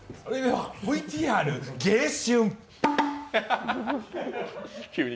ＶＴＲ、迎春！